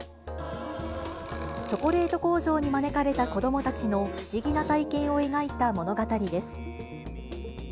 チョコレート工場に招かれた子どもたちの不思議な体験を描いた物語です。